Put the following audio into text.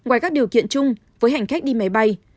ngoài các điều kiện chung với hành khách đi máy bay